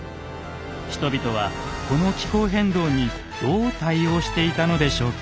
人々はこの気候変動にどう対応していたのでしょうか？